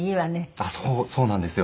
そうなんですよ。